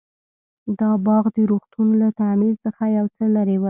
دا باغ د روغتون له تعمير څخه يو څه لرې و.